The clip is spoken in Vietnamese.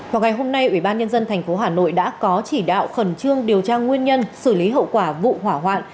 vào ngày hôm nay ủy ban nhân dân tp hà nội đã có chỉ đạo khẩn trương điều tra nguyên nhân xử lý hậu quả vụ hỏa hoạn